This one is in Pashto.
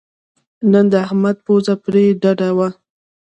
نن د احمد پوزه پرې ډډه وه.